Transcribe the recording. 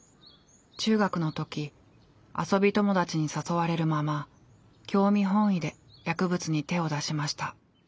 中学の時遊び友達に誘われるまま興味本位で薬物に手を出しました。